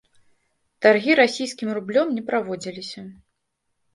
Таргі расійскім рублём не праводзіліся.